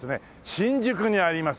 新宿にあります